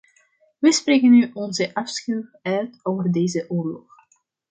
Wij spreken nu onze afschuw uit over deze oorlog.